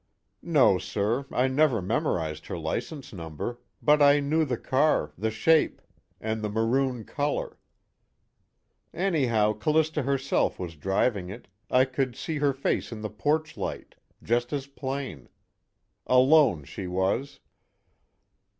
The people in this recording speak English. "No, sir, I never memorized her license number, but I knew the car, the shape, and the maroon color. Anyhow C'lista herself was driving it, I could see her face in the porch light, just as plain. Alone, she was."